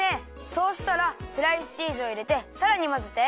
そうしたらスライスチーズをいれてさらにまぜて。